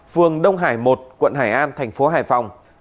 phường đông hải một quận hải an thành phố hải phòng